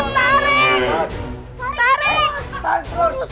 tarik tarik tarik